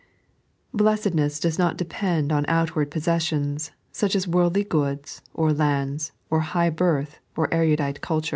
Bieesedness does not depend on outward possesdona, such as worldly goods, or lands, or high birth, or erudite culture.